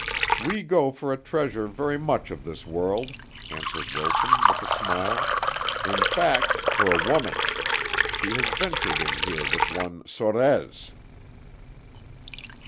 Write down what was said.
"We go for a treasure very much of this world," answered Wilson, with a smile; "in fact, for a woman. She has ventured in here with one Sorez."